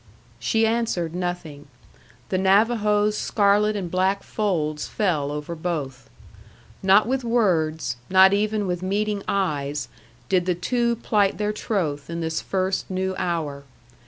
She answered nothing. The Navajo's scarlet and black folds fell over both. Not with words, not even with meeting eyes, did the two plight their troth in this first new hour.